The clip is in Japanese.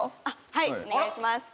はいお願いします